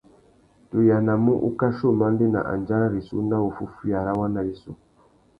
Tu yānamú ukachi umandēna andjara rissú nà wuffúffüiya râ waná wissú.